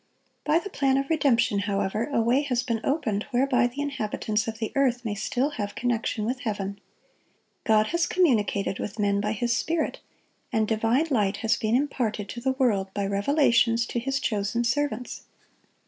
By the plan of redemption, however, a way has been opened whereby the inhabitants of the earth may still have connection with heaven. God has communicated with men by His Spirit, and divine light has been imparted to the world by revelations to His chosen servants.